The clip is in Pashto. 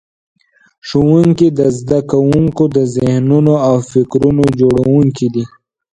ښوونکي د زده کوونکو د ذهنونو او فکرونو جوړونکي دي.